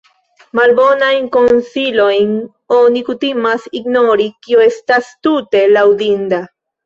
Malbonajn konsilojn oni kutimas ignori, kio estas tute laŭdinda.